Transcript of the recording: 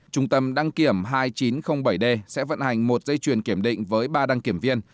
trung tâm đăng kiểm hai nghìn chín trăm linh bảy d sẽ vận hành một dây chuyền kiểm định với ba đăng kiểm viên